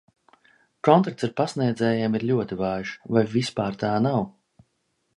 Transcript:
Kontakts ar pasniedzējiem ir ļoti vājš vai vispār tā nav.